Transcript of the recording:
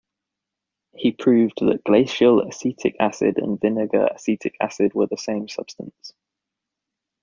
He proved that glacial acetic acid and vinegar acetic acid were the same substance.